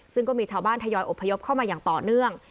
ซึ่งก็มีชาวบ้านทยอยอบพยพเข้ามาอย่างต่อเนื่อง